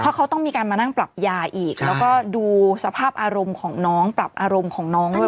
เขาต้องมีการมานั่งปรับยาอีกแล้วก็ดูสภาพอารมณ์ของน้องปรับอารมณ์ของน้องด้วย